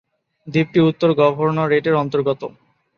দ্বীপটি উত্তর গভর্নরেটের অন্তর্গত।